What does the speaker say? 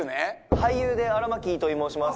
俳優で荒牧と申します。